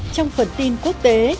trong phần tin quốc tế